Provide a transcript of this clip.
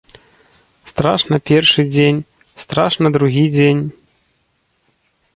Страшна першы дзень, страшна другі дзень.